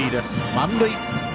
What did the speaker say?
満塁。